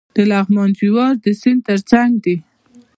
د لغمان جوار د سیند ترڅنګ دي.